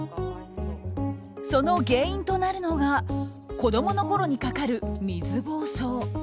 その原因となるのが子供のころにかかる水ぼうそう。